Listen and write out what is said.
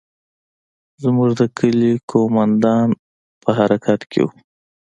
زموږ د کلي قومندان په حرکت کښې و.